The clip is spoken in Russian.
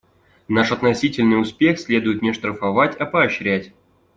Наш относительный успех следует не штрафовать, а поощрять.